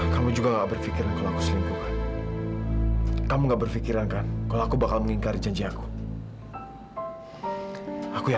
sampai jumpa di video selanjutnya